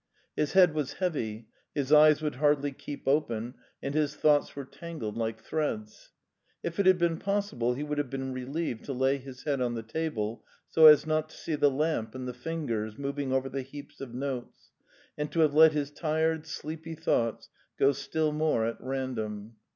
His head was heavy, his eyes would hardly keep open and his thoughts were tangled like threads. If it had been possible he would have been relieved to lay his head on the table, so as not to see the lamp and the fingers moving over the heaps of notes, and to have let his tired sleepy thoughts go still more at random.